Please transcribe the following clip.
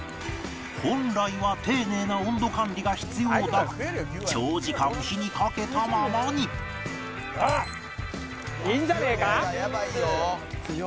本来は丁寧な温度管理が必要だが長時間火にかけたままにあっ！いいんじゃねえか？